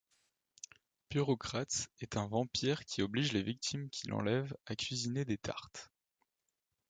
Burokratz est un vampire qui oblige les victimes qu'il enlève à cuisiner des tartes.